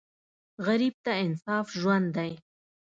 غریب ته انصاف ژوند دی